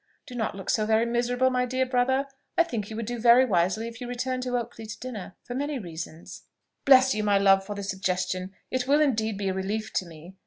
Do not look so very miserable, my dear brother! I think you would do very wisely if you returned to Oakley to dinner, for many reasons." "Bless you, love, for the suggestion! It will indeed be a relief to me.